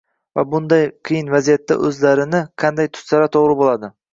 va bunday qiyin vaziyatda o‘zlarini qanday tutsalar to‘g‘ri bo‘ladi?